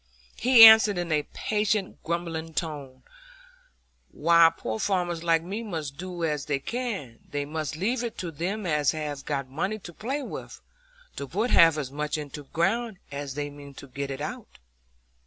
He answered in a patient grumbling tone, "Why, poor farmers like me must do as they can; they must leave it to them as have got money to play with, to put half as much into the ground as they mean to get out of it."